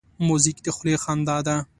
موزیک د خولې خندا ده.